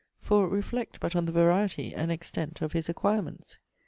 For reflect but on the variety and extent of his acquirements!